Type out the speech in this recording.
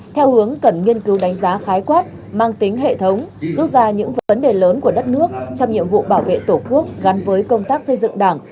theo hướng cần nghiên cứu đánh giá khái quát mang tính hệ thống rút ra những vấn đề lớn của đất nước trong nhiệm vụ bảo vệ tổ quốc gắn với công tác xây dựng đảng